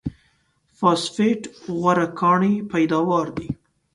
فاسفېټ غوره کاني پیداوار دی.